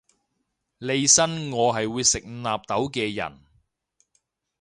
利申我係會食納豆嘅人